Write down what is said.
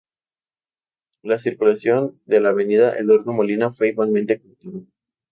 La circulación de la avenida Eduardo Molina fue igualmente cortada.